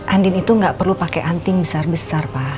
andin itu gak perlu pakai anting besar besar pa